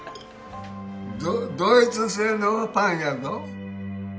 ドイツ製のパンやど。